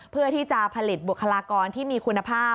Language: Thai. เพื่อที่จะผลิตบุคลากรที่มีคุณภาพ